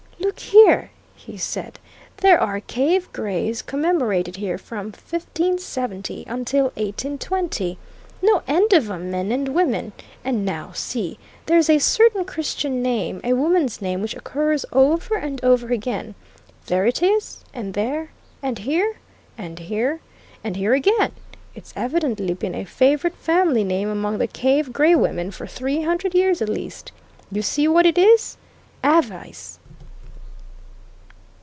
"Look here!" he said. "There are Cave Grays commemorated here from 1570 until 1820. No end of 'em men and women. And now, see there's a certain Christian name a woman's name which occurs over and over again. There it is and there and here and here and here again; it's evidently been a favourite family name among the Cave Gray women for three hundred years at least. You see what it is? Avice!"